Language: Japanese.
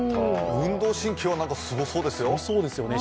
運動神経はすごそうですよ。